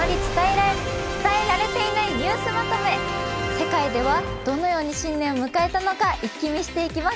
世界ではどのように新年を迎えたのかイッキ見していきます。